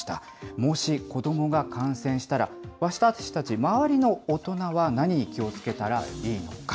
もし子どもが感染したら、私たち周りの大人は何に気をつけたらいいのか。